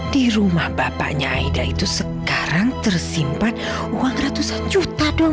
di rumah bapaknya aida itu sekarang tersimpan uang ratusan juta dong